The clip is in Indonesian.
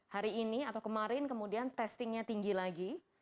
hari ini atau kemarin kemudian testingnya tinggi lagi